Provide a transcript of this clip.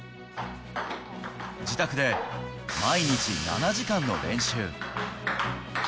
自宅で毎日７時間の練習。